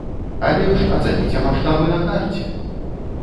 А лепш ацаніце маштабы на карце!